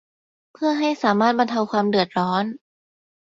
เพื่อให้สามารถบรรเทาความเดือดร้อน